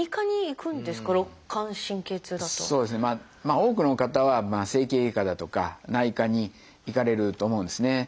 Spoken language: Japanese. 多くの方は整形外科だとか内科に行かれると思うんですね。